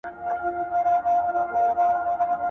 ملا بانګ په خپله یوازیتوب کې د مانا یو نوی سیند وموند.